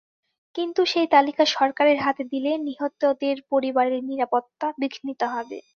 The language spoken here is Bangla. কিন্তু সেই তালিকা সরকারের হাতে দিলে নিহতদের পরিবারের নিরাপত্তা বিঘ্নিত হবে।